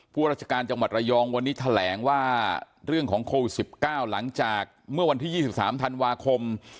ราชการจังหวัดระยองวันนี้แถลงว่าเรื่องของโควิด๑๙หลังจากเมื่อวันที่๒๓ธันวาคม